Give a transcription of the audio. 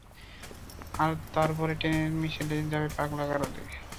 আর তার পরের ট্রেনে মিশেল যাবে পাগলা গারদে?